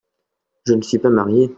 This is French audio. Je ne suis pas marié.